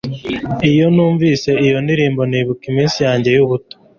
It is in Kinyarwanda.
Iyo numvise iyo ndirimbo nibuka iminsi yanjye yubuto